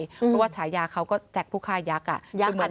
เพราะว่าฉายาเขาก็แจกผู้ฆ่ายักษะ